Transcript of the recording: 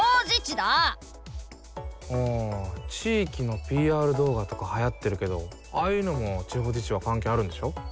ああ地域のＰＲ動画とかはやってるけどああいうのも地方自治は関係あるんでしょ？